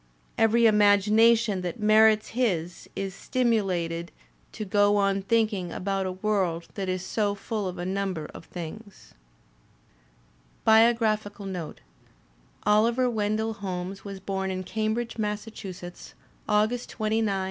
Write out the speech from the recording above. Every imagination that meets his is stimulated to Digitized by Google HOLMES 169 go on thinking about a world that is so full of a number of things. BIOGRAPHICAL NOTE Oliver Wendell Holmes was bom in Cambridge, Massa chusetts, August 29, 1809.